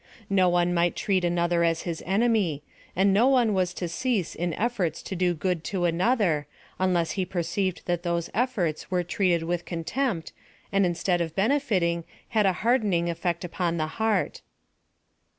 No one might treat another as his enemy ; and no one was to cease in efforts to do good to another, unless he perceived that those efforts were treated with contempt, and instead of benefitting, had a hardening effect upon the heart.